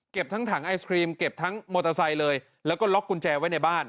ทั้งถังไอศครีมเก็บทั้งมอเตอร์ไซค์เลยแล้วก็ล็อกกุญแจไว้ในบ้าน